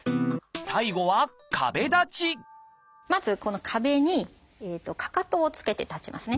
最後はまずこの壁にかかとをつけて立ちますね。